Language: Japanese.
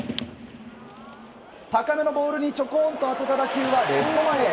高めのボールにちょこんと当てた打球はレフト前へ。